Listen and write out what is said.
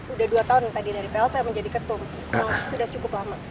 udah dua tahun tadi dari plt